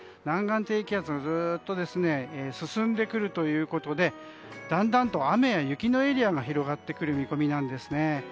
南岸低気圧がずっと進んでくるということでだんだんと雨や雪のエリアが広がってくる見込みなんですね。